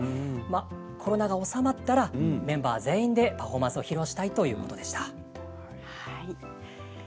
コロナが収まったらメンバー全員でパフォーマンスをしたいということでした。